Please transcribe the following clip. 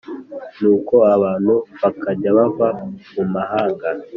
Nuko abantu bakajya bava mu mahanga